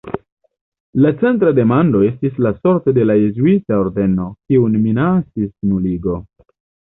La centra demando estis la sorto de la jezuita ordeno, kiun minacis nuligo.